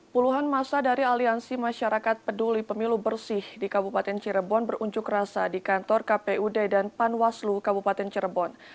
puluhan masa dari aliansi masyarakat peduli pemilu bersih di kabupaten cirebon berunjuk rasa di kantor kpud dan panwaslu kabupaten cirebon